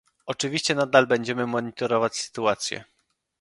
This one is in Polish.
Oczywiście nadal będziemy monitorować sytuację